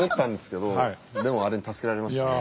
でもあれに助けられましたね。